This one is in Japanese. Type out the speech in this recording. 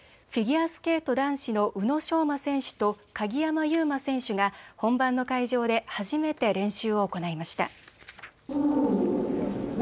フィギュアスケート男子の宇野昌磨選手と鍵山優真選手が本番の会場で初めて練習を行いました。